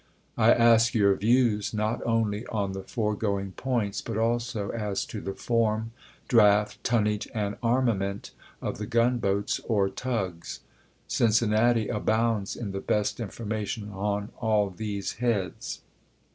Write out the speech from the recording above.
I ask your views not only on the foregoing points, but also as to the form, draught, tonnage, and armament of the gun boats or tugs. Cincinnati abounds in the best information on all these heads.